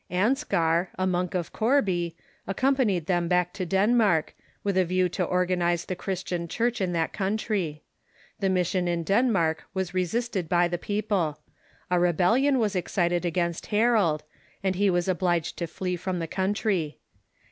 Anskar, a monk of Corbey, accompanied them back to Denmark, with a view to organize the Christian Church in that country. The mission in Denmark was resisted by the people. A rebellion was excited against Harold, and he was obliged to flee from the country.